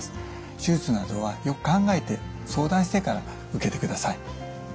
手術などはよく考えて相談してから受けてください。